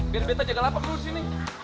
biar beta jaga lapang dulu sini